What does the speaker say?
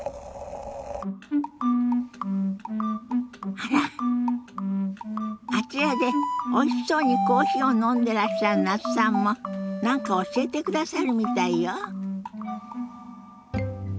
あらあちらでおいしそうにコーヒーを飲んでらっしゃる那須さんも何か教えてくださるみたいよ。